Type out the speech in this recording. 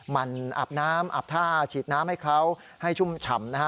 มันอาบน้ำอาบท่าฉีดน้ำให้เขาให้ชุ่มฉ่ำนะฮะ